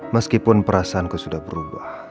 meskipun perasaanku sudah berubah